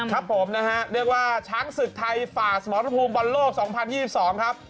ครับผมนะฮะเรียกว่าช้างศึกไทยฝ่าสมรพภูมิบนโลกสองพันยี่สิบสองครับ